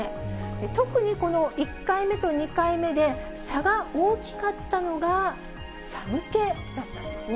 特にこの１回目と２回目で、差が大きかったのが、寒気だったんですね。